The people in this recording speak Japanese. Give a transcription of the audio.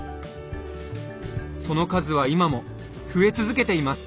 その数は今も増え続けています。